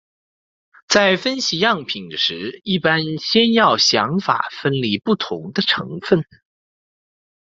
在分析样品时一般先要想法分离不同的成分。